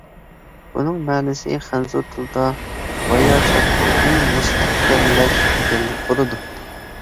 بۇنىڭ مەنىسى خەنزۇ تىلىدا «باياشاتلىقنى مۇستەھكەملەش» دېگەنلىك بولىدۇ.